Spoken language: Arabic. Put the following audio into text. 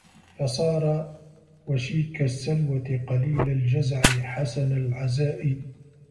فَصَارَ وَشْيَك السَّلْوَةِ قَلِيلَ الْجَزَعِ حَسَنَ الْعَزَاءِ